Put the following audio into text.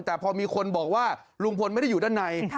แต่พอมีคนบอกว่าลุงพลไม่ได้อยู่ด้านใน